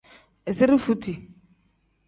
Izire futi.